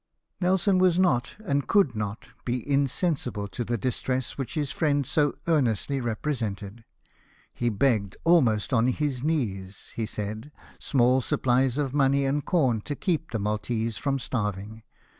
Nelson was not, and could not, be insensible to the distress which his friend so earnestly represented. He begged, almost on his knees, he said, small sup plies of money and corn to keep the Maltese from starving.